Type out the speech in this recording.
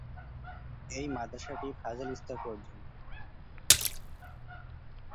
এই মাদ্রাসাটি ফাযিল স্তর পর্যন্ত।